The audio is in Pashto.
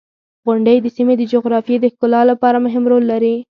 • غونډۍ د سیمې د جغرافیې د ښکلا لپاره مهم رول لري.